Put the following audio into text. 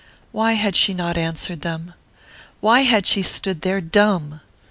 Why had she not answered them? Why had she stood there dumb?